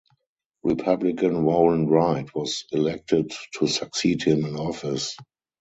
Republican Warren Wright was elected to succeed him in office.